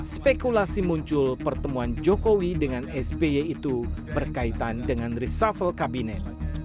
spekulasi muncul pertemuan jokowi dengan sby itu berkaitan dengan reshuffle kabinet